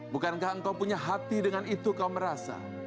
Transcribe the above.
bukankah engkau punya hati dengan itu kau merasa